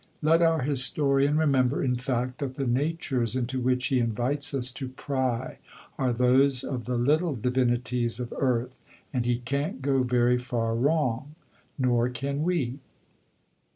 Let our historian remember, in fact, that the natures into which he invites us to pry are those of the little divinities of earth and he can't go very far wrong. Nor can we.